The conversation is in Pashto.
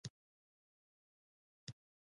ولې د افغانستان خلکو د اموي پاڅون ملاتړ وکړ؟